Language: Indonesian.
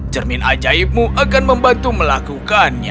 cermin ajaibmu akan membantu melakukannya